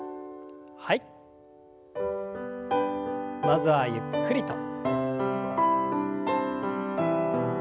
まずはゆっくりと。